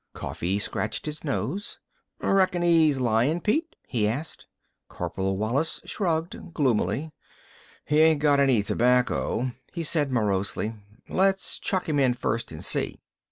Coffee scratched his nose. "Reckon he's lyin', Pete?" he asked. Corporal Wallis shrugged gloomily. "He ain't got any tobacco," he said morosely. "Let's chuck him in first an' see."